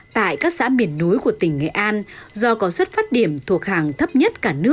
tại các xã miền núi của tỉnh nghệ an do có xuất phát điểm thuộc hàng thấp nhất